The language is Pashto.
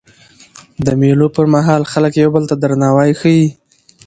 د مېلو پر مهال خلک یو بل ته درناوی ښيي.